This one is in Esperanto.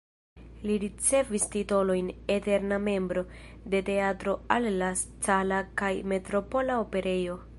Li ricevis titolojn "eterna membro" en Teatro alla Scala kaj Metropola Operejo.